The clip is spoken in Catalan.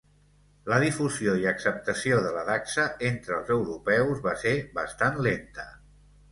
La difusió i acceptació de la dacsa entre els europeus va ser bastant lenta.